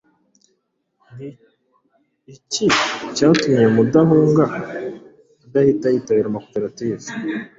Ni iki cyatumye Mudahunga adahita yitabira amakoperative?